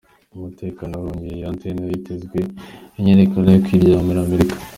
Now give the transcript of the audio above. Umutekano wari wongerejwe i Athene, ahitezwe imyiyerekano yo kwiyamiriza Amerika.